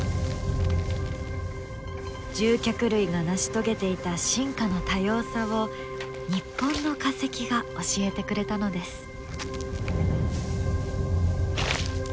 獣脚類が成し遂げていた進化の多様さを日本の化石が教えてくれたのです。